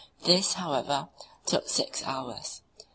This, however, took six hours.